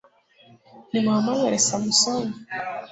nimuhamagare samusoni